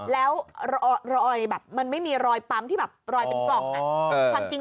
แล้วรอยแบบมันไม่มีรอยปั๊มที่แบบรอยเป็นกล่อง